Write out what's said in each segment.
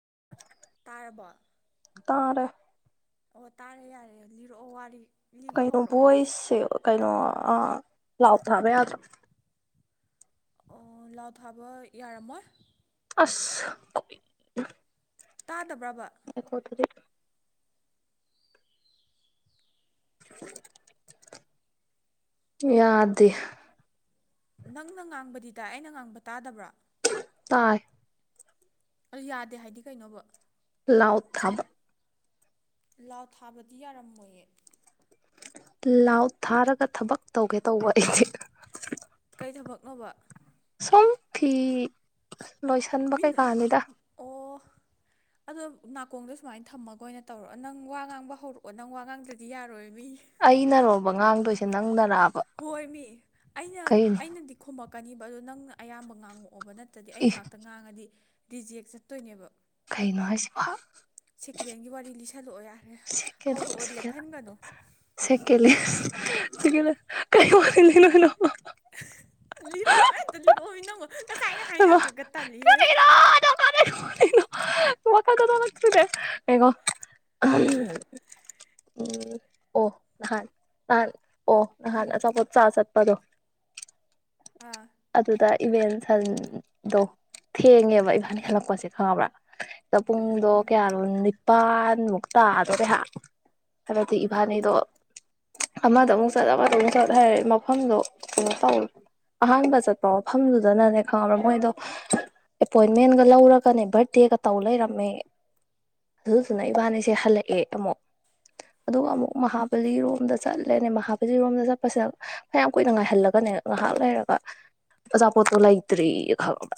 [inaudible] ꯇꯥꯔꯕꯣ ꯇꯥꯔꯦ ꯑꯣ ꯇꯥꯔꯦ ꯌꯥꯔꯦ ꯂꯤꯔꯛꯑꯣ ꯋꯥꯔꯤ ꯂꯤꯕ ꯀꯩꯅꯣ ꯍꯧꯔꯛꯑꯣ ꯚꯣꯏꯁꯁꯦ ꯀꯩꯅꯣ ꯑꯥ ꯂꯥꯎ ꯊꯥꯕ ꯌꯥꯗꯔꯣ ꯂꯥꯎ ꯊꯥꯕ ꯌꯥꯔꯝꯃꯣꯏ ꯑꯁ ꯇꯥ ꯑꯩꯐꯔ ꯄꯣꯠꯇꯗꯤ [inaudible] ꯌꯥꯗꯦ ꯅꯪꯅ ꯉꯥꯡꯕꯗꯤ ꯇꯥꯏ ꯑꯩꯅ ꯉꯥꯡꯕꯗꯤ ꯇꯥꯗꯕ꯭ꯔꯥ ꯇꯥꯏ ꯑ ꯌꯥꯗꯦ ꯍꯥꯏꯗꯤ ꯀꯩꯅꯣꯕ ꯥꯂꯥꯎꯗ ꯊꯥꯕ ꯂꯥꯎ ꯊꯥꯕꯗꯤ ꯌꯥꯔꯝꯃꯣꯏꯌꯦ ꯂꯥꯎꯗ ꯊꯥꯔꯒ ꯊꯕꯛ ꯇꯧꯒꯦ ꯇꯧꯕ ꯑꯩꯁꯦ ꯀꯩ ꯊꯕꯛꯅꯣꯕ ꯁꯨꯝ ꯐꯤ ꯂꯣꯏꯁꯟꯕ ꯃꯤꯅ ꯀꯩꯀꯥꯅꯤꯗ ꯑꯣ ꯑꯗꯣ ꯅꯥꯀꯣꯡꯗ ꯁꯨꯃꯥꯏꯅ ꯊꯝꯃꯒ ꯑꯣꯏꯅ ꯇꯧꯔꯣ ꯅꯪ ꯋꯥ ꯉꯥꯡꯕ ꯍꯧꯔꯛꯑꯣ ꯅꯪ ꯋꯥ ꯉꯥꯡꯗ꯭ꯔꯗꯤ ꯌꯥꯔꯣꯏ ꯃꯤ ꯑꯩꯅꯔꯣ ꯋꯥ ꯉꯥꯡꯗꯣꯏꯁꯦ ꯅꯪꯅ ꯍꯣꯏ ꯃꯤ ꯑꯩꯅ ꯑꯩꯅꯗꯤ ꯈꯨꯝꯃꯛꯀꯅꯤ ꯑꯗꯨ ꯅꯪꯅ ꯑꯌꯥꯝꯕ ꯉꯥꯡꯉꯛꯑꯣ ꯑꯣꯕ ꯅꯠꯇꯗꯤ ꯏ ꯑꯩꯅ ꯉꯥꯛꯇ ꯉꯥꯡꯉꯗꯤ ꯔꯤꯖꯦꯛ ꯆꯠꯇꯣꯏꯅꯦꯕ ꯀꯩꯅꯣ ꯍꯥꯏꯁꯤꯕꯣ ꯁꯦꯀꯦꯟ ꯍꯦꯟꯒꯤ ꯋꯥꯔꯤ ꯂꯤꯁꯜꯂꯛꯑꯣ ꯌꯥꯔꯦ ꯁꯦꯀꯦꯜꯍꯦꯟ ꯍꯧꯔꯛꯑꯣ ꯂꯦꯞꯍꯟꯒꯅꯣ ꯁꯦꯀꯦꯜ ꯁꯦꯀꯦꯜꯍꯦꯟ [unintelligible] [inaudible] ꯂꯤꯔꯛꯑꯣ ꯑꯩ ꯑꯝꯇ ꯂꯤꯔꯛꯑꯣꯃꯤ ꯅꯪꯕꯣ ꯉꯁꯥꯏꯅ ꯍꯥꯏꯅꯒ꯭ꯔꯒ ꯇꯜꯂꯤꯍꯦ ꯈꯪꯗꯦ ꯌꯦꯉꯣ ꯎꯝ ꯑꯣ ꯉꯥꯍꯟ ꯑꯣ ꯉꯍꯥꯟ ꯎꯝ ꯑꯆꯥꯄꯣꯠ ꯆꯥꯕ ꯆꯠꯄ ꯄꯗꯣ ꯑꯥ ꯑꯗꯨꯗ ꯏꯃꯦꯜ ꯁꯟ ꯗꯣ ꯊꯦꯡꯉꯦ ꯏꯕꯅꯤ ꯎꯝ ꯍꯜꯂꯛꯄꯁꯦ ꯈꯪꯉꯕ꯭ꯔ ꯎꯝ ꯄꯨꯡꯗꯣ ꯎꯝ ꯀꯌꯥꯅꯣ ꯅꯤꯞ ꯄꯥꯥꯟꯃꯨꯛ ꯇꯗꯧꯔꯦ ꯍꯥ ꯍꯥꯏꯕꯗꯤ ꯎꯝ ꯏꯕꯥꯟꯅꯤꯗꯣ ꯑꯃꯗ ꯑꯃꯨꯛ ꯆꯠ ꯑꯃꯗ ꯑꯃꯨꯛ ꯆꯠ ꯍꯥꯏꯔꯦ ꯃꯐꯝꯗꯣ ꯀꯩꯅꯣꯇꯧ ꯑꯍꯥꯟꯕ ꯆꯠꯄ ꯃꯐꯝꯗꯨꯗꯅꯅꯦ ꯈꯪꯉꯕ꯭ꯔ ꯃꯣꯏꯗꯣ ꯑꯦꯄꯣꯏꯟꯃꯦꯟꯒ ꯂꯧꯔꯒꯅꯦ ꯕꯔꯗꯦꯒ ꯇꯧ ꯂꯩꯔꯝꯃꯦ ꯗꯨꯗꯨꯅ ꯎꯝ ꯏꯕꯟꯅꯤꯁꯦ ꯍꯜꯂꯛꯑꯦ ꯑꯃꯨꯛ ꯑꯗꯨꯒ ꯑꯃꯨꯛ ꯃꯍꯥꯕꯂꯤꯔꯣꯝꯗ ꯆꯠꯂꯦ ꯃꯍꯥꯕ꯭ꯂꯤꯔꯣꯝ ꯆꯠꯄꯁꯤꯅ ꯐꯅꯌꯥꯝ ꯀꯨꯏꯅ ꯉꯥꯏꯍꯜꯂ ꯒꯅꯦ ꯉꯥꯏꯍꯥꯛ ꯂꯩꯔꯒ ꯑꯆꯥ ꯄꯣꯠꯇꯣ ꯂꯩꯇ꯭ꯔꯦꯌꯦ ꯈꯪꯉꯕ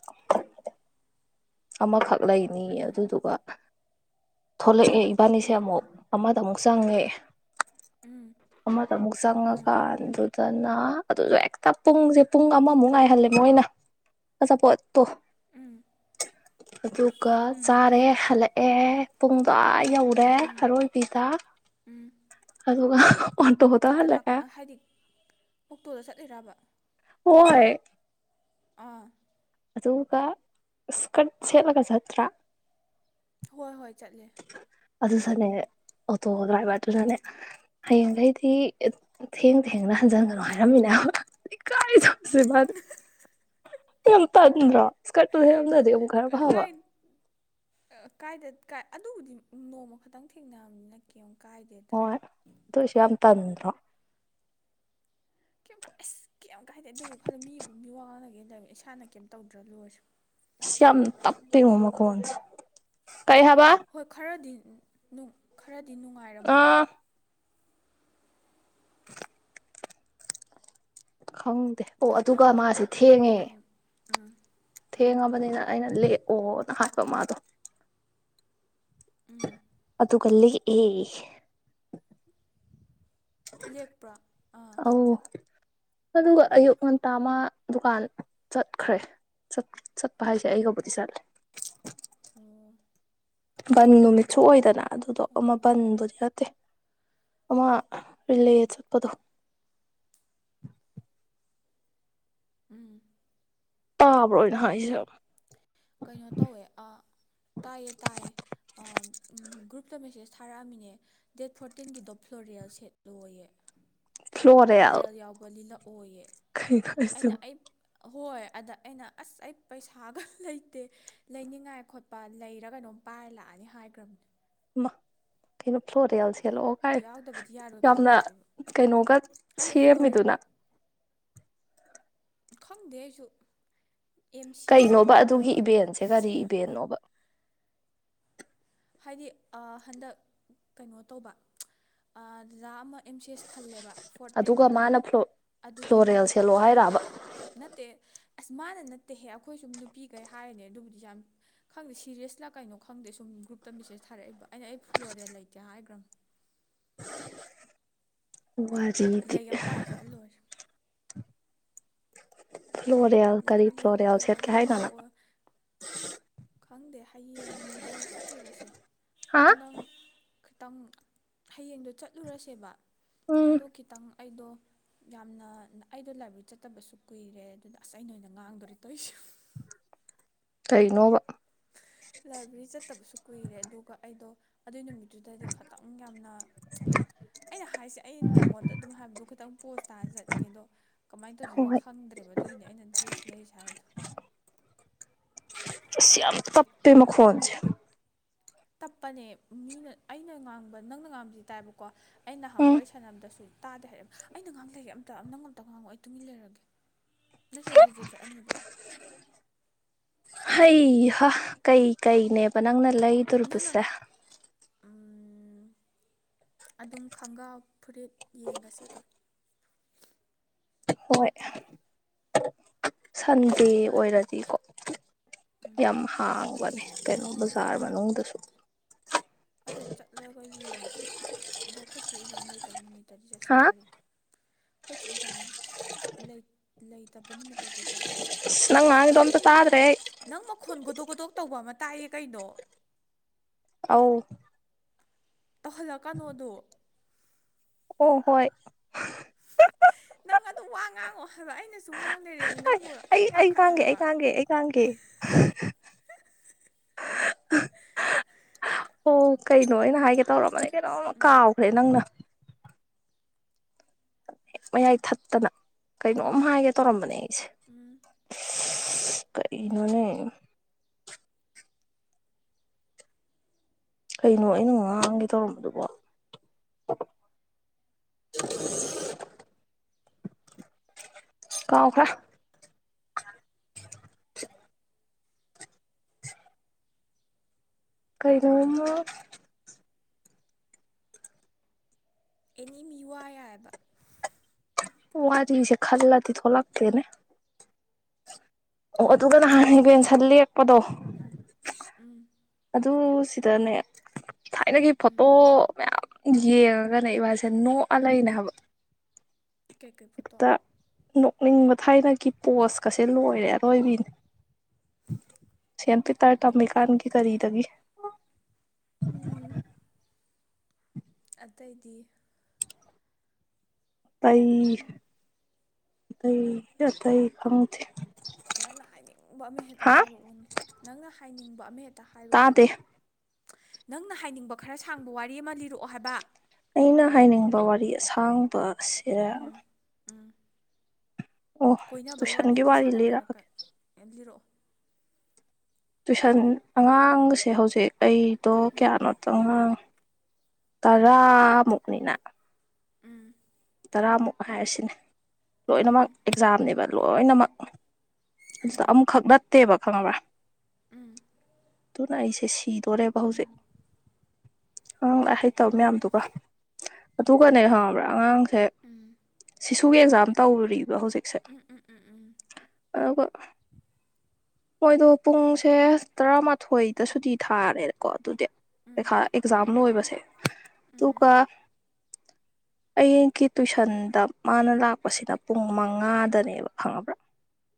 ꯑꯃꯈꯛ ꯂꯩꯅꯤ ꯑꯗꯨꯗꯨꯒ ꯊꯣꯛꯂꯛꯑꯦ ꯕꯥꯟꯅꯤꯁꯦ ꯑꯃꯨꯛ ꯑꯃ ꯇ ꯑꯃꯨꯛ ꯆꯪꯉꯦ ꯎꯝ ꯑꯃ ꯗ ꯃꯨꯛ ꯎꯝ ꯆꯪꯉꯒ ꯗꯅ ꯑꯗꯨꯁꯨ ꯍꯦꯛꯇ ꯄꯨꯡꯁꯦ ꯄꯨꯡ ꯑꯃꯃꯨꯛ ꯉꯥꯏꯍꯜꯂꯦ ꯃꯣꯏꯅ ꯑꯆꯥꯄꯣꯠ ꯄꯣ ꯑꯗꯨꯒ ꯎꯝ ꯆꯥꯔꯦ ꯍꯜꯂꯛ ꯑꯦ ꯄꯨꯡꯗ ꯑꯥ ꯌꯧ ꯑꯔꯣꯏꯕꯤꯗ ꯑꯗꯨꯒ ꯑꯣꯇꯣꯗ ꯀꯅꯥ ꯀ ꯍꯜꯂꯛꯑꯦ ꯍꯥꯏꯗꯤ ꯑꯣꯛꯇꯣꯗ ꯆꯠꯂꯤꯔꯕ ꯍꯣꯏ ꯑꯥ ꯑꯗꯨꯒ ꯏꯁꯀꯔꯠ ꯁꯦꯠꯂꯒ ꯆꯠꯇ꯭ꯔꯥ ꯍꯣꯏ ꯍꯣꯏ ꯆꯠꯂꯦ ꯑꯗꯨ ꯁꯟꯅꯦ ꯑꯣꯇꯣ ꯗ꯭ꯔꯥꯏꯚꯔꯗꯨꯅꯅꯦ ꯍꯌꯦꯡꯈꯩꯗꯤ ꯊꯦꯡ ꯊꯦꯡꯅ ꯍꯟꯖꯤꯟꯒꯅꯨ ꯍꯥꯏꯔꯝꯃꯤꯅꯦ ꯍꯥꯏꯕ ꯏꯀꯥꯏꯖꯝꯁꯤ ꯏꯕꯥꯟꯅꯤ ꯌꯥꯝ ꯇꯟꯗ꯭ꯔꯣ ꯁ꯭ꯀꯔꯠꯇꯣ ꯂꯩꯔꯝꯗ꯭ꯔꯗꯤ ꯑꯃꯨꯛ ꯈꯔ ꯐꯕ ꯀꯥꯏ ꯀꯥꯏꯗ ꯀꯥꯏ ꯑꯗꯨꯕꯨꯗꯤ ꯅꯣꯡꯃ ꯈꯛꯇꯪ ꯊꯦꯡꯅꯕꯅꯤꯅ ꯀꯦꯝ ꯍꯣꯏ ꯑꯗꯣꯏꯁꯨ ꯌꯥꯝ ꯇꯟꯗ꯭ꯔꯣ ꯀꯩꯝꯀꯥꯏ ꯑꯁ ꯀꯩꯝ ꯀꯥꯏꯗꯦ ꯑꯗꯨꯒꯤ ꯈꯜꯂ ꯃꯤꯕꯨ ꯃꯤꯋꯥ ꯉꯥꯡꯅꯒꯦꯅ ꯏꯁꯥꯅ ꯀꯦꯝ ꯇꯧꯗ꯭ꯔ ꯂꯣꯏꯔꯦ ꯑꯁ ꯌꯥꯝ ꯇꯞꯄꯦꯉꯣ ꯃꯈꯣꯟꯁꯦ ꯀꯩ ꯍꯥꯏꯕ ꯍꯣꯏ ꯈꯔꯗꯤ ꯈꯔ ꯗꯤ ꯅꯨꯡꯉꯥꯏꯔꯝꯃꯣꯏ ꯑꯥ [inaudible] ꯈꯪ ꯑꯣ ꯑꯗꯨꯒ ꯃꯥꯁꯦ ꯊꯦꯡꯉꯦ ꯎꯝ ꯎꯝ ꯎꯝ ꯊꯦꯡꯉꯕꯅꯤꯅ ꯑꯩꯅ ꯂꯦꯛ ꯑꯣ ꯅ ꯍꯥꯏꯕ ꯃꯥꯗꯣ ꯎꯝ ꯑꯗꯨ ꯀꯂꯦꯛ ꯑꯦ ꯂꯦꯛꯄ꯭ꯔꯥ ꯑꯥ ꯑꯧ ꯑꯗꯨꯒ ꯑꯌꯨꯛ ꯉꯟꯇ ꯃ ꯗꯨꯀꯥꯟ ꯆꯠꯈ꯭ꯔꯦ ꯆꯠꯄ ꯍꯥꯏꯁꯦ ꯑꯩꯒꯕꯨꯗꯤ ꯆꯠꯂꯦ ꯑꯣ ꯕꯟ ꯅꯨꯃꯤꯠꯁꯨ ꯑꯣꯏꯗꯅ ꯑꯗꯨꯗꯣ ꯑꯣ ꯃꯥꯄꯟꯕꯨꯗꯤ ꯅꯠꯇꯦ ꯑꯃ ꯔꯤꯂꯦ ꯆꯠꯄꯗꯣ ꯎꯝ ꯇꯥꯕ꯭ꯔꯣ ꯑꯩꯅ ꯍꯥꯏꯁꯦ ꯀꯩꯅꯣ ꯇꯧꯋꯦ ꯑꯥ ꯇꯥꯏꯌꯦ ꯇꯥꯏꯌꯦ ꯑꯥ ꯎꯝ ꯒ꯭ꯔꯨꯞꯇ ꯃꯦꯁꯦꯁ ꯊꯥꯔꯛꯑꯃꯤꯅꯦ ꯗꯦꯠ ꯐꯣꯔꯇꯤꯟꯒꯤꯗꯣ ꯐ꯭ꯂꯣꯔꯦꯜ ꯁꯦꯠꯂꯣꯌꯦ ꯐ꯭ꯂꯣꯔꯦꯜ ꯌꯥꯎꯕ ꯂꯤꯅꯛ ꯑꯣꯏꯌꯦ ꯀꯩꯅꯣ ꯍꯥꯏꯁꯤ ꯑꯩꯅ ꯑꯩ ꯍꯣꯏ ꯑꯗ ꯑꯩꯅ ꯑꯁ ꯑꯩ ꯄꯩꯁꯥꯒ ꯂꯩ ꯇꯦ ꯂꯩꯅꯤꯡꯉꯥꯏ ꯈꯣꯠꯄ ꯂꯩꯔ ꯒꯩꯅꯣꯝ ꯄꯥꯏꯔ ꯂꯥꯛꯑꯅꯤ ꯍꯥꯏꯒ꯭ꯔꯝꯅꯦ ꯃ ꯀꯩꯅꯣ ꯐ꯭ꯂꯣꯗ ꯌꯥꯎꯁꯤ ꯍꯦꯜꯂꯛꯑꯣꯒꯥꯏ ꯌꯥꯎꯗꯕꯗꯤ ꯌꯥꯔꯣꯏ ꯀꯥꯏꯅ ꯌꯥꯝꯅ ꯇꯧꯔꯛꯑꯦꯕ ꯀꯩꯅꯣꯒ ꯍꯥꯏꯗꯤ ꯐ꯭ꯂꯣꯔꯦꯜ ꯁꯦꯝꯃꯤꯗꯨꯅ ꯈꯪꯗꯦ ꯑꯩꯁꯨ ꯑꯦꯝ ꯁꯤ ꯀꯩꯅꯣꯕ ꯑꯦꯁꯀꯤꯅꯦꯅ ꯇꯧꯔ ꯑꯗꯨꯒꯤ ꯑꯣꯏꯔꯝꯅꯤ ꯏꯚꯦꯟꯁꯦ ꯀꯔꯤ ꯏꯚꯦꯟꯅꯣꯕ ꯍꯥꯏꯗꯤ ꯑ ꯍꯟꯗꯛ ꯀꯩꯅꯣ ꯇꯧꯕ ꯑ ꯗꯗꯥ ꯑꯃ ꯑꯦꯝ ꯁꯤ ꯑꯦꯁ ꯈꯜꯂꯦꯕ ꯐꯣꯔꯠ ꯑꯗꯨꯒ ꯔꯦꯡꯇ ꯃꯥꯅ ꯐ꯭ꯂꯣ ꯑꯗꯨꯒꯤ ꯐ꯭ꯂꯣꯔꯦꯜ ꯃꯥꯒꯤ ꯁꯦꯠꯂꯣ ꯄꯥꯔꯇꯤꯅꯦꯕ ꯍꯥꯏꯔꯕ ꯅꯠꯇꯦ ꯑꯁ ꯃꯥꯅ ꯅꯠꯇꯦꯍꯦ ꯑꯩꯈꯣꯏ ꯁꯨꯝ ꯅꯨꯄꯤꯈꯩ ꯍꯥꯏꯔꯤꯅꯦ ꯑꯗꯨꯕꯨꯗꯤ ꯌꯥꯝ ꯈꯪꯗꯦ ꯁꯤꯔꯤꯌꯦꯁꯂ ꯀꯩꯅꯣ ꯈꯪꯗꯦ ꯁꯨꯝ ꯒ꯭ꯔꯨꯞ ꯇ ꯃꯦꯁꯦꯁ ꯊꯥꯔꯛꯏꯕ ꯑꯩꯅ ꯑꯩ ꯐ꯭ꯂꯣꯔꯦꯜ ꯂꯩꯇꯦ ꯍꯥꯏꯒ꯭ꯔꯝ ꯋꯥꯖꯅꯤꯗꯤ ꯂꯩ ꯑꯃ ꯄꯥꯏꯔ ꯆꯠꯂ ꯂꯣꯏꯔꯦ [inaudible] ꯀꯔꯤ ꯂꯤꯔꯛꯑꯣ ꯂꯤꯔꯛꯑꯣ ꯐ꯭ꯂꯣꯔꯦꯜ ꯀꯩ ꯁꯦꯠꯀꯦ ꯋꯥꯔꯤꯅꯣ ꯍꯥꯏꯅꯣ ꯅꯪ ꯂꯤꯔꯛꯑꯣ ꯈꯪꯗꯦ ꯍꯌꯦꯡꯗꯣ ꯆꯠꯂꯨꯔꯁꯦ ꯍꯥ ꯑꯗꯨ ꯅꯪ ꯈꯤꯇꯪ ꯍꯌꯦꯡꯗꯣ ꯆꯠꯂꯨꯔꯁꯦꯕ ꯎꯝ ꯑꯗꯣ ꯈꯤꯇꯪ ꯑꯩꯗꯣ ꯌꯥꯝꯅ ꯑꯩꯗꯣ ꯂꯥꯏꯕ꯭ꯔꯦꯔꯤ ꯆꯠꯇꯕꯁꯨ ꯀꯨꯏꯔꯦ ꯑꯗꯨꯗ ꯑꯁ ꯑꯩꯅ ꯑꯣꯏꯅ ꯉꯥꯡꯗꯣꯔꯦ ꯇꯧꯁꯩ ꯀꯩꯅꯣꯕ ꯂꯥꯏꯕ꯭ꯔꯦꯔꯤ ꯆꯠꯇꯕꯁꯨ ꯀꯨꯏꯔꯦ ꯑꯗꯨꯒ ꯑꯩꯗꯣ ꯑꯗꯨꯏ ꯅꯨꯃꯤꯠ ꯑꯗꯨꯗꯗꯤ ꯈꯇꯪ ꯌꯥꯝꯅ ꯑꯩꯅ ꯍꯥꯏꯁꯦ ꯑꯩꯅ ꯅꯪꯉꯣꯟꯗ ꯑꯗꯨꯝ ꯍꯥꯏꯕꯗꯣ ꯈꯇꯪ ꯄꯣꯁ ꯇꯥꯅ ꯆꯠꯅꯤꯡꯉꯦꯗꯣ ꯀꯃꯥꯏ ꯇꯧꯗꯣꯏꯅꯣ ꯍꯣꯏ ꯈꯪꯗ꯭ꯔꯦꯕ ꯑꯗꯨꯒꯤꯅꯦ ꯑꯩꯅ ꯗ꯭ꯔꯦꯁ ꯂꯩꯔꯨꯁꯦ ꯍꯥꯏꯗꯣ ꯑꯁ ꯌꯥꯝ ꯇꯞꯄꯦ ꯃꯈꯣꯟꯁꯦ ꯇꯞꯄꯅꯦ ꯃꯤꯅ ꯑꯩꯅ ꯉꯥꯡꯕ ꯅꯪꯅ ꯉꯥꯡꯕꯁꯤ ꯇꯥꯏꯕꯀꯣ ꯑꯩ ꯅꯍꯥꯟ ꯎꯝ ꯋꯥꯔꯤ ꯁꯥꯟꯅꯕꯗꯁꯨ ꯇꯥꯗꯦ ꯍꯥꯏꯔꯦꯕ ꯑꯩꯅ ꯉꯥꯡ ꯂꯩꯔꯦ ꯑꯝꯇ ꯅꯪ ꯑꯝꯇ ꯉꯥꯡꯉꯣ ꯑꯩ ꯇꯨꯃꯤꯟ ꯂꯩꯔꯒꯦ ꯅꯠꯇ꯭ꯔꯗꯤ ꯔꯤꯖꯦꯛ ꯆꯠ ꯑꯅꯤꯕ ꯍꯩ ꯍ ꯀꯩ ꯀꯩꯅꯦꯕ ꯅꯪꯅ ꯂꯩꯗꯣꯔꯤꯄꯁꯦ ꯎ ꯑꯗꯨꯝ ꯈꯪꯒꯥꯎ ꯐꯨꯔꯤꯠ ꯌꯦꯡꯉꯁꯦ ꯗꯨꯝ ꯍꯣꯏ ꯁꯟꯗꯦ ꯑꯣꯏꯔꯗꯤꯀꯣ ꯌꯥꯝ ꯎꯝ ꯍꯥꯎꯕꯅꯦ ꯀꯩꯅꯣ ꯕꯖꯥꯔ ꯃꯅꯨꯡꯗꯁꯨ ꯑꯗꯣ ꯁꯤ ꯑꯦꯛꯖꯥꯝ ꯂꯩꯇꯕ ꯅꯨꯃꯤꯠ ꯗꯗꯤ ꯆꯠꯁꯦ ꯍꯥ ꯒꯥꯔꯤꯗꯣ ꯈꯣꯏꯆꯦ ꯑꯦꯛꯖꯥꯝ ꯂꯩ ꯂꯩꯇꯕ ꯅꯨꯃꯤꯠꯇꯗꯤ ꯆꯠ ꯁꯦꯕ ꯑꯁ ꯉꯥꯡꯉꯤꯗꯣ ꯅꯪ ꯑꯝꯇ ꯇꯥꯗ꯭ꯔꯦ ꯃꯈꯣꯟ ꯑꯩ ꯅꯪ ꯃꯈꯣꯟ ꯒꯣꯗꯣꯛ ꯒꯣꯗꯣꯛ ꯇꯧꯕ ꯑꯃ ꯇꯥꯏꯌꯦ ꯀꯩꯅꯣ ꯑꯧꯎ ꯇꯧꯍꯟꯂꯛꯀꯅꯣ ꯑꯗꯣ ꯑꯣ ꯍꯣꯏ ꯅꯪ ꯑꯗꯨꯝ ꯋꯥ ꯉꯥꯡꯉꯣ ꯍꯥꯏꯕ ꯑꯩꯅꯁꯨ ꯉꯥꯡ ꯂꯩꯔꯦꯃꯤ ꯅꯪꯕꯨ ꯑꯩ ꯑꯩ ꯄꯥꯈꯠꯂꯦ ꯈꯥꯡꯒꯦ ꯑꯩ ꯍꯥꯏꯕ ꯈꯥꯡꯒꯦ ꯑꯩ ꯈꯥꯡꯒꯦ ꯑꯣ ꯀꯩꯅꯣ ꯑꯩꯅ ꯍꯥꯏꯒꯦ ꯇꯧꯔꯝꯕꯅꯦ ꯀꯩꯅꯣꯝ ꯎꯝ ꯀꯥꯎꯈ꯭ꯔꯦ ꯅꯪꯅ ꯃꯌꯥꯏ ꯊꯠꯇꯅ ꯀꯩꯅꯣꯝ ꯎꯝ ꯍꯥꯏꯒꯦ ꯇꯧꯔꯝꯕꯅꯦ ꯑꯩꯁꯦ ꯎꯝ ꯀꯔꯤꯅꯣꯅꯦ ꯀꯩꯅꯣ ꯑꯩꯅ ꯉꯥꯡꯒꯦ ꯇꯧꯔꯝꯕꯗꯨꯕꯣ ꯀꯥꯎꯈ꯭ꯔꯦ ꯀꯩꯅꯣꯝꯃꯥ ꯑꯦꯅꯤ ꯃꯤꯋꯥ ꯌꯥꯏꯕ ꯋꯥꯔꯤꯁꯦ ꯈꯜꯂꯗꯤ ꯊꯣꯂꯛꯇꯦꯅꯦ ꯑꯣ ꯑꯗꯨ ꯑꯗꯨꯒ ꯅꯍꯥꯟ [inaudible] ꯄꯗꯣ ꯎꯝ ꯑꯗꯨ ꯁꯤꯠ ꯇꯥꯅꯦ ꯊꯥꯏꯅꯒꯤ ꯎꯝ ꯐꯣꯇꯣ ꯃꯌꯥꯝ ꯌꯦꯡꯉꯒꯅꯦ ꯏꯕꯅꯤꯁꯦ ꯅꯣꯛ ꯎꯝ ꯑꯥꯂꯩꯅꯦꯍꯥꯏꯕ ꯀꯩꯀꯩ ꯐꯣꯇꯣ ꯍꯦꯛꯇ ꯅꯣꯛꯅꯤꯡꯕ ꯊꯥꯏꯅꯒꯤ ꯄꯣꯁ ꯀꯁꯦ ꯗ ꯂꯣꯏꯔꯦ ꯑꯗꯣ ꯑꯩꯒꯤ ꯁꯦꯟ ꯄꯤꯇꯔ ꯇꯝꯃꯤꯀꯥꯟꯒꯤ ꯗꯦꯜꯂꯤꯗꯒꯤ ꯎꯝ ꯑꯇꯩꯗꯤ ꯑꯇꯩ ꯑꯇꯩ ꯑꯇꯩ ꯈꯪꯗꯦ ꯅꯪꯅ ꯍꯥꯏꯅꯤꯡꯕ ꯑꯃꯍꯦꯛꯇ ꯍꯥ ꯍꯥꯏꯔꯛꯑꯣꯅꯦ ꯅꯪꯅ ꯍꯥꯏꯅꯤꯡꯕ ꯑꯃ ꯍꯦꯛ ꯇ ꯍꯥꯏꯔꯛꯑꯣꯕ ꯇꯥꯗꯦ ꯅꯪꯅ ꯍꯥꯏꯅꯤꯡꯕ ꯈꯔ ꯁꯥꯡꯕ ꯋꯥꯔꯤ ꯑꯃ ꯂꯤꯔꯛꯑꯣ ꯍꯥꯏꯕ ꯑꯩꯅ ꯍꯥꯏꯅꯤꯡꯕ ꯋꯥꯔꯤ ꯑꯁꯥꯡꯕ ꯁꯤꯔꯥ ꯎꯝ ꯎꯝ ꯀꯣꯏꯅꯕꯩ ꯋꯥꯔꯤ ꯇꯨꯏꯁꯟꯒꯤ ꯂꯤꯁꯟꯂꯛꯀꯦꯔꯥ ꯂꯤꯔꯛꯑꯒꯦ ꯀꯩ ꯂꯤꯔꯛꯑꯣ ꯇꯨꯏꯁꯟ ꯑꯉꯥꯡꯁꯦ ꯍꯧꯖꯤꯛ ꯑꯩ ꯇꯣ ꯎꯝ ꯀꯌꯥꯅꯣꯇꯥ ꯉꯥꯡ ꯇꯔꯥ ꯃꯨꯛꯅꯤꯅ ꯎꯝ ꯇꯔꯥꯃꯨꯛ ꯍꯥꯏꯔꯁꯤꯅꯦ ꯂꯣꯏꯅꯃꯛ ꯎꯝ ꯑꯦꯛꯖꯥꯝꯅꯦꯕ ꯂꯣꯏꯅꯃꯛ ꯑꯗꯨꯁꯨ ꯎꯝ ꯑꯃꯨꯛꯈꯛ ꯅ ꯇꯦꯕ ꯈꯪꯉꯕ ꯎꯝ ꯑꯗꯨꯅ ꯑꯩꯁꯦ ꯁꯤꯗꯣꯔꯦꯕ ꯍꯧꯖꯤꯛ ꯑꯉꯥꯡ ꯂꯥꯏꯔꯤꯛ ꯍꯩꯇꯕ ꯃꯌꯥꯝꯗꯨꯒ ꯑꯗꯨꯒꯅꯦ ꯈꯪꯉꯕ꯭ꯔꯥ ꯑꯉꯥꯡ ꯑꯦ ꯎꯝ ꯁ ꯁꯨ ꯑꯦꯛꯖꯥꯝ ꯇꯧꯔꯨꯔꯤ ꯍꯧꯖꯤꯛꯁꯦ ꯎꯝ ꯎꯝ ꯎꯝ ꯑꯗꯨꯒ ꯃꯣꯏꯗꯣ ꯄꯨꯡꯁꯦ ꯇꯔꯥꯃꯥꯊꯣꯏꯗ ꯁꯨꯇꯤ ꯊꯥꯔꯦꯗꯀꯣ ꯑꯗꯨꯗꯤ ꯎꯝ ꯄꯩꯈꯥ ꯑꯦꯛꯖꯥꯝ ꯂꯣꯏꯕꯁꯦ ꯎꯝ ꯗꯨꯒ ꯑꯩꯒꯤ ꯇꯨꯏꯁꯟꯗ ꯃꯥꯅ ꯂꯥꯛꯄꯁꯤꯅ ꯄꯨꯡ ꯃꯉꯥꯗꯅꯦꯕ ꯈꯪꯉꯕ꯭ꯔꯥ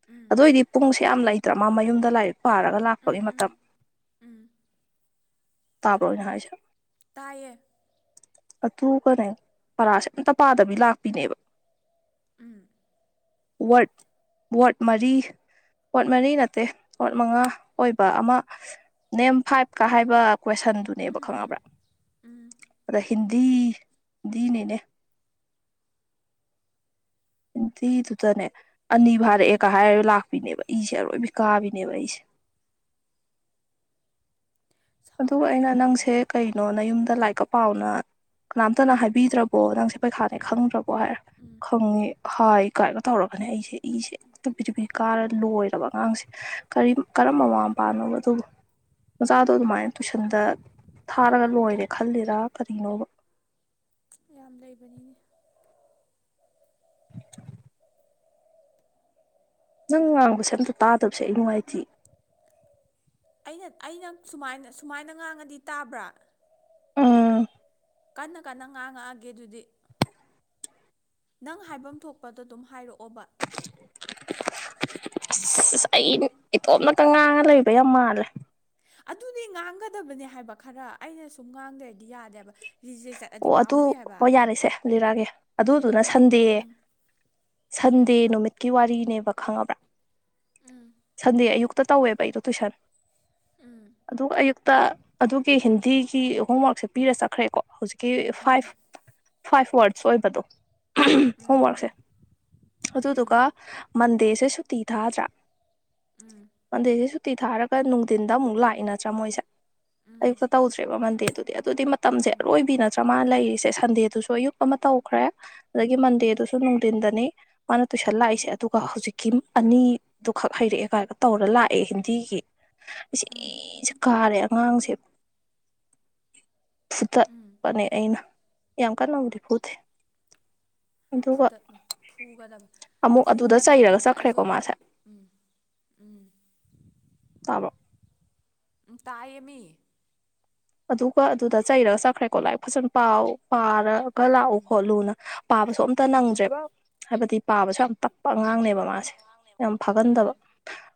ꯎꯝ ꯑꯗꯨ ꯑꯣꯏꯗꯤ ꯄꯨꯡꯁꯦ ꯌꯥꯝ ꯂꯩ ꯗ ꯃꯥ ꯃꯌꯨꯝꯗ ꯂꯥꯏꯔꯤꯛ ꯄꯥꯔꯒ ꯎꯝ ꯂꯥꯛꯄꯒꯤ ꯃꯇꯝ ꯎꯝ ꯎꯝ ꯇꯥꯕ꯭ꯔꯣ ꯑꯩꯅ ꯍꯥꯏꯁꯦ ꯇꯥꯏꯌꯦ ꯑꯗꯨꯒꯅꯦ ꯄꯔꯥꯁꯦ ꯑꯝꯇ ꯄꯥꯗꯕꯤ ꯂꯥꯛꯄꯤꯅꯦꯕ ꯎꯝ ꯋꯥꯔꯗ ꯋꯥꯔꯗ ꯃꯔꯤ ꯋꯥꯔꯗ ꯃꯔꯤ ꯅꯠꯇꯦ ꯄꯣꯠ ꯃꯉꯥ ꯑꯣꯏꯕ ꯑꯃ ꯅꯦꯝ ꯐꯥꯏꯕꯀ ꯍꯥꯏꯕ ꯀ꯭ꯋꯦꯁꯟꯗꯨꯅꯦꯕ ꯎꯝ ꯎꯝ ꯈꯪꯉꯕ꯭ꯔꯥ ꯎꯝ ꯑꯗꯩ ꯍꯤꯟꯗꯤꯤ ꯍꯤꯟꯗꯤ ꯅꯤꯅꯦ ꯍꯤꯟꯗꯤꯗꯨꯗꯅꯦ ꯑꯅꯤ ꯎꯝ ꯐꯥꯔꯛꯑꯦꯒ ꯍꯥꯏꯔ ꯂꯥꯛꯄꯤꯅꯦꯕ ꯏꯁꯦ ꯑꯔꯣꯏꯕꯤ ꯀꯥꯕꯤꯅꯦꯕ ꯑꯩꯁꯦ ꯑꯗꯨꯒ ꯁꯥꯎꯗꯤ ꯑꯩꯅ ꯅꯪꯁꯦ ꯁꯥꯎꯅꯤꯡꯕꯅꯤ ꯀꯩꯅꯣ ꯎꯝ ꯅꯌꯨꯝꯗ ꯂꯥꯏꯛꯀ ꯄꯥꯎꯅ ꯀꯅꯥꯝꯇꯅ ꯎꯝ ꯍꯥꯏꯕꯤꯗ꯭ꯔꯕꯣ ꯅꯪꯁꯦ ꯄꯩꯈꯥꯅꯦ ꯈꯪꯗ꯭ꯔꯕꯣ ꯍꯥꯏꯔ ꯎꯝ ꯈꯪꯉꯤ ꯍꯥꯏ ꯀꯥꯏꯔꯒ ꯇꯧꯔꯒꯅꯦ ꯑꯩꯁꯦ ꯏꯁꯦ ꯍꯦꯛꯇ ꯕꯤꯔꯤ ꯕꯤꯔꯤ ꯀꯥꯔ ꯂꯣꯏꯔꯕ ꯑꯉꯥꯡꯁꯦ ꯀꯔꯤ ꯀꯔꯝꯕ ꯃꯃꯥ ꯃꯄꯥꯅꯣꯕ ꯑꯗꯨꯕꯨ ꯃꯆꯥꯗꯣ ꯗꯣ ꯑꯗꯨꯃꯥꯏꯅ ꯇꯨꯏꯁꯟꯗ ꯊꯥꯔꯒ ꯂꯣꯏꯔꯦ ꯈꯜꯂꯤꯔꯥ ꯀꯔꯤꯅꯣꯕ ꯌꯥꯝ ꯂꯩꯕꯅꯤꯅꯦ [inaudible] ꯅꯪ ꯉꯥꯡꯕꯁꯦ ꯑꯝꯇ ꯇꯥꯗꯕꯁꯦ ꯑꯩ ꯅꯨꯡꯉꯥꯏꯇꯤꯌꯦ ꯑꯩꯅ ꯑꯩꯅ ꯁꯨꯃꯥꯏ ꯁꯨꯃꯥꯏꯅ ꯉꯥꯡꯉꯗꯤ ꯇꯥꯕ꯭ꯔꯥ ꯑꯥ ꯀꯟꯅ ꯀꯟꯅ ꯉꯥꯡꯉꯛꯑꯒꯦ ꯑꯗꯨꯗꯤ ꯅꯪ ꯍꯥꯏꯐꯝ ꯊꯣꯛꯄꯗꯣ ꯑꯗꯨꯝ ꯍꯥꯏꯔꯛꯑꯣꯕ ꯁ ꯑꯩ ꯏꯇꯣꯝꯅꯇ ꯉꯥꯡꯉ ꯂꯩꯕ ꯌꯥꯝꯅ ꯃꯥꯜꯂꯦ ꯑꯗꯨꯗꯤ ꯉꯥꯡꯒꯗꯕꯅꯦ ꯍꯥꯏꯕ ꯈꯔ ꯑꯩꯅ ꯁꯨꯝ ꯉꯥꯡ ꯂꯩꯔꯗꯤ ꯌꯥꯗꯦꯕ ꯔꯤꯖꯦꯛ ꯆꯠꯂꯗꯤ ꯑꯣ ꯑꯗꯨ ꯄꯥꯝꯃꯨꯏ ꯍꯥꯏꯕ ꯍꯣꯏ ꯌꯥꯔꯦꯁꯦ ꯂꯤꯔꯛꯑꯒꯦ ꯑꯗꯨꯗꯨꯅ ꯎꯝ ꯁꯟꯗꯦ ꯎꯝ ꯎꯝ ꯁꯟꯗꯦ ꯅꯨꯃꯤꯠꯀꯤ ꯋꯥꯔꯤꯅꯦ ꯕ ꯈꯪꯉꯕ꯭ꯔꯥ ꯎꯝ ꯁꯟꯗꯦ ꯑꯌꯨꯛꯇ ꯇꯧꯋꯦꯕ ꯑꯩꯗꯣ ꯇꯨꯏꯁꯟ ꯎꯝ ꯑꯗꯨ ꯑꯌꯨꯛꯇ ꯑꯗꯨꯒꯤ ꯍꯤꯟ ꯒꯤ ꯊ꯭ꯔꯤ ꯍꯣꯝꯋꯥꯛꯁꯦ ꯄꯤꯔ ꯆꯠꯈ꯭ꯔꯦꯀꯣ ꯍꯧꯖꯤꯛ ꯀ ꯐꯥꯏꯄ ꯎꯝ ꯐꯥꯏꯄ ꯋꯥꯔꯗ ꯑꯣꯏꯕꯗꯣ ꯎꯝ ꯍꯣꯝꯋꯥꯛꯁꯦ ꯎꯝ ꯑꯗꯨꯗꯨꯒ ꯃꯟꯗꯦꯁꯦ ꯇꯤ ꯊꯥꯗ꯭ꯔ ꯎꯝ ꯑꯗꯩꯗ ꯁꯨ ꯇꯤ ꯊꯥꯔꯒ ꯅꯨꯡꯗꯤꯟꯗ ꯑꯃꯨꯛ ꯂꯥꯛꯏ ꯅꯠꯇ꯭ꯔꯥ ꯃꯣꯏꯁꯦ ꯎꯝ ꯑꯌꯨꯛꯇ ꯇꯧꯗꯔ꯭ꯦꯕꯥ ꯃꯥꯟꯗꯦ ꯑꯗꯨ ꯑꯗ ꯑꯗꯨꯗꯤ ꯃꯇꯝꯁꯦ ꯎꯝ ꯑꯔꯣꯏꯕꯤꯅ ꯃ ꯂꯩꯔꯤꯁꯦ ꯁꯟꯗꯦꯗꯨꯁꯨ ꯑꯌꯨꯛ ꯑꯃ ꯇꯧꯈ꯭ꯔꯦ ꯑꯗꯒꯤ ꯃꯟꯗꯦ ꯗꯨꯁꯨ ꯅꯨꯡ ꯇꯤꯟꯗꯅꯤ ꯃꯥꯅ ꯎꯝ ꯎꯝ ꯇꯨꯁꯜꯂꯥꯛꯏꯁꯦ ꯑꯗꯨꯒ ꯍꯧꯖꯤꯛ ꯀꯤꯝ ꯑꯅꯤꯗꯨꯈꯛ ꯍꯩꯔꯛꯑꯦꯒꯥꯏꯒ ꯇꯧꯔ ꯂꯥꯛꯑꯦ ꯍꯤꯟꯗꯤꯒꯤ ꯎꯝ ꯏꯁꯨ ꯀꯥꯔꯦ ꯑꯉꯥꯡꯁꯦ ꯐꯨꯗꯥꯠ ꯎꯝ ꯑꯩꯅ ꯌꯥꯝ ꯀꯟꯅ ꯕꯨꯗꯤ ꯐꯨꯗꯦ ꯑꯗꯨꯒ ꯐꯨꯗꯠꯂꯣ ꯐꯨꯒꯗꯕ ꯑꯃꯨꯛ ꯑꯗꯨꯗ ꯐꯨꯒꯗꯕꯅꯤ ꯆꯩꯔꯒ ꯈꯔ ꯑꯩꯁꯨ ꯆꯠꯈ꯭ꯔꯦꯀꯣ ꯃꯥꯁꯦ ꯎꯝ ꯎꯝ ꯇꯕꯔꯣ ꯇꯥꯏꯌꯦꯃꯤ ꯑꯗꯨꯒ ꯑꯗꯨꯗ ꯆꯩꯔꯒ ꯆꯠꯈ꯭ꯔꯦꯀꯣ ꯂꯥꯏꯔꯤꯛ ꯐꯖꯟ ꯄꯥꯎ ꯄꯥꯔ ꯀ ꯂꯥꯛꯎ ꯎꯝ ꯈꯣꯠꯂꯨꯅ ꯄꯥꯕꯁꯨ ꯑꯝꯇ ꯎꯝ ꯅꯪꯗ꯭ꯔꯦꯕ ꯍꯥꯏꯕꯗꯤ ꯄꯥꯕꯁꯨ ꯌꯥꯝ ꯇꯞꯄ ꯑꯉꯥꯡꯅꯦꯕ ꯃꯥꯁꯦ ꯌꯥꯝ ꯐꯒꯥꯟꯗꯕ ꯎꯝ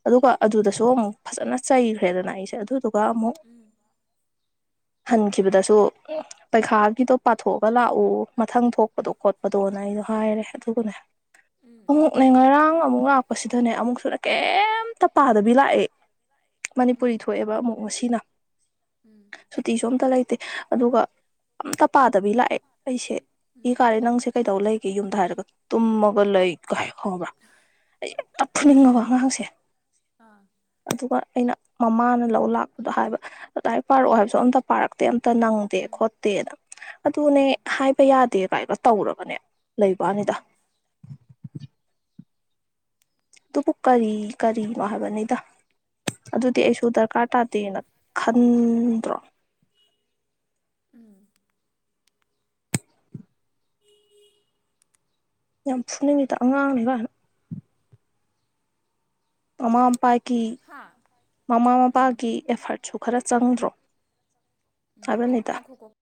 ꯑꯗꯨꯒ ꯑꯗꯨꯗꯁꯨ ꯑꯃꯨꯛ ꯐꯖꯅ ꯆꯩꯈ꯭ꯔꯦꯗꯅ ꯑꯩꯁꯦ ꯑꯗꯨ ꯇꯒ ꯑꯃꯨ ꯎꯝ ꯍꯟꯈꯤꯕꯗꯁꯨ ꯄꯩꯈꯥꯒꯤꯗꯣ ꯄꯥꯊꯣꯛꯑꯒ ꯂꯥꯛꯎ ꯃꯊꯪ ꯊꯣꯛꯄꯗꯣ ꯈꯣꯠꯄꯗꯣꯅ ꯑꯩꯗꯣꯅ ꯍꯥꯏꯔꯦ ꯑꯗꯨꯒꯅꯦ ꯎꯝ ꯑꯃꯨꯛꯅꯦ ꯉꯔꯥꯡ ꯑꯃꯨꯛ ꯂꯥꯀꯄꯥꯁꯤꯗꯅꯦ ꯑꯃꯨꯛꯁꯨꯅꯦ ꯀꯩꯝꯇ ꯄꯥꯗꯕꯤ ꯂꯥꯛꯑꯦ ꯃꯅꯤꯄꯨꯔꯤ ꯎꯝ ꯊꯣꯛꯑꯦꯕ ꯑꯃꯨꯛ ꯉꯁꯤꯅ ꯎꯝ ꯁꯨꯇꯤꯁꯨ ꯑꯝꯇ ꯂꯩꯇꯦ ꯑꯗꯨꯒ ꯑꯝꯇ ꯄꯥꯗꯕꯤ ꯂꯥꯛꯑꯦ ꯑꯩꯁꯦ ꯎꯝ ꯏꯀꯥꯔꯦ ꯅꯪꯁꯦ ꯀꯩꯗꯧ ꯂꯩꯒꯦ ꯌꯨꯝꯗ ꯍꯥꯏꯔꯒ ꯇꯨꯝꯃꯒ ꯂꯩ ꯀ ꯍꯥꯏ ꯈꯪꯕ꯭ꯔꯥ ꯑꯩ ꯑꯝꯇ ꯐꯨꯅꯤꯡꯉꯕ ꯑꯉꯥꯡꯁꯦ ꯑꯥ ꯑꯗꯨꯒ ꯑꯩꯅ ꯃꯃꯥꯅ ꯂꯧ ꯂꯥꯛꯄꯗꯣ ꯍꯥꯏꯕ ꯑꯗꯥꯢ ꯄꯥꯔꯛꯑꯣ ꯍꯥꯏꯕꯁꯨ ꯑꯝꯇ ꯄꯥꯔꯛꯇꯦ ꯑꯝ ꯇ ꯅꯪꯗꯦ ꯎꯝ ꯈꯣꯠꯇꯦꯅ ꯑꯗꯨꯅꯦ ꯎꯝ ꯍꯥꯏꯕ ꯌꯥꯗꯦ ꯚꯥꯏꯕ ꯇꯧꯔꯒꯅꯦ ꯂꯩꯕ ꯋꯥꯅꯤꯗ ꯎꯝ ꯑꯗꯨꯕꯨ ꯀꯔꯤ ꯀꯔꯤꯅꯣ ꯍꯥꯏꯕꯅꯤꯗ ꯑꯗꯨꯗꯤ ꯑꯩꯁꯨ ꯗꯔꯀꯥꯔ ꯇꯥꯗꯦꯅ ꯈꯟꯗ꯭ꯔꯣ ꯎꯝ ꯌꯥꯝ ꯐꯨꯅꯤꯡꯉꯤꯗ ꯑꯉꯥꯡꯅꯤꯀꯥꯏꯅ ꯃꯃꯥ ꯃꯄꯥꯏ ꯀꯤ ꯍꯥ ꯃꯃꯥ ꯎꯝ ꯃꯄꯥꯒꯤ ꯑꯦꯐꯔꯠ ꯁꯨ ꯈꯔ ꯆꯪꯗ꯭ꯔꯣ ꯎꯝ ꯍꯥꯏꯕꯅꯤꯗ ꯉꯥꯏꯈꯣꯀꯣ